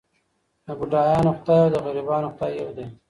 د بډایانو خدای او د غریبانو خدای یو دی.